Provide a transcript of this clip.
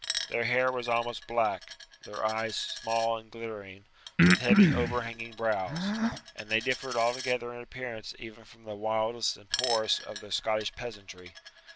Their hair was almost black; their eyes small and glittering, with heavy overhanging brows; and they differed altogether in appearance even from the wildest and poorest of the Scottish peasantry.